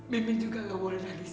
mimin juga enggak boleh nangis